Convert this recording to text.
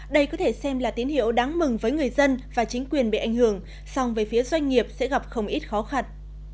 đây có thể xem là tín hiệu đáng mừng với người dân và chính quyền bị ảnh hưởng song về phía doanh nghiệp sẽ gặp không ít khó khăn